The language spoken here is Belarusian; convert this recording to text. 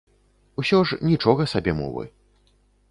Усё ж нічога сабе мовы.